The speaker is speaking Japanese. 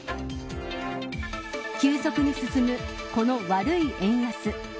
急速に進むこの悪い円安。